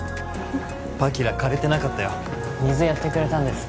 パキラ枯れてなかったよ水やってくれたんですね